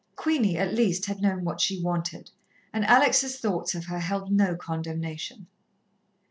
Queenie, at least, had known what she wanted, and Alex' thoughts of her held no condemnation.